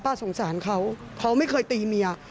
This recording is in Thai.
สงสารเขาเขาไม่เคยตีเมีย